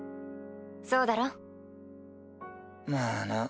そうだろ？まあな。